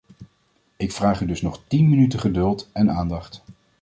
Ik vraag u dus nog tien minuten geduld en aandacht.